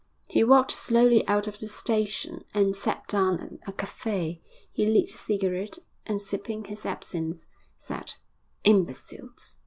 He walked slowly out of the station, and sat down at a café. He lit a cigarette, and, sipping his absinthe, said, 'Imbeciles!'